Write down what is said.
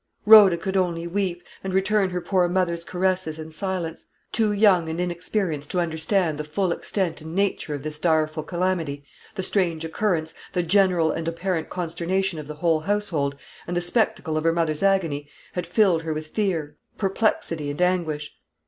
Rhoda could only weep, and return her poor mother's caresses in silence. Too young and inexperienced to understand the full extent and nature of this direful calamity, the strange occurrence, the general and apparent consternation of the whole household, and the spectacle of her mother's agony, had filled her with fear, perplexity, and anguish.